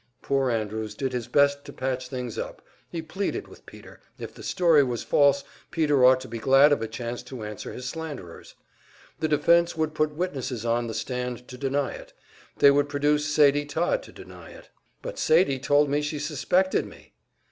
Poor Andrews did his best to patch things up; he pleaded with Peter if the story was false, Peter ought to be glad of a chance to answer his slanderers. The defense would put witnesses on the stand to deny it. They would produce Sadie Todd to deny it. "But Sadie told me she suspected me!"